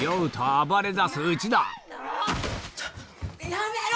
やめろ！